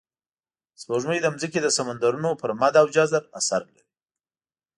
سپوږمۍ د ځمکې د سمندرونو پر مد او جزر اثر لري